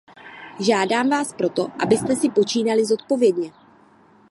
Žádám vás proto, abyste si počínali zodpovědně.